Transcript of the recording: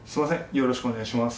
よろしくお願いします